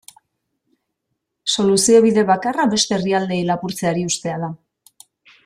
Soluzio bide bakarra beste herrialdeei lapurtzeari uztea da.